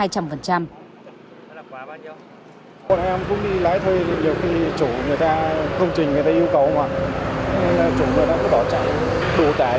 còn em cũng đi lái thuê nhiều khi chủ người ta không trình người ta yêu cầu hoặc chủ người ta có đỏ trải